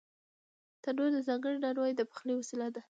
تنور د ځانگړو نانو د پخلي وسیله ده